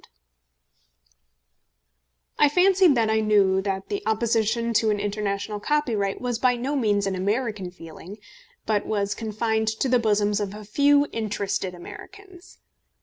] I fancied that I knew that the opposition to an international copyright was by no means an American feeling, but was confined to the bosoms of a few interested Americans.